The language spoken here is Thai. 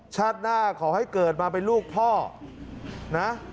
ชาติหน้าขอให้เกิดมาเป็นลูกพ่อนะ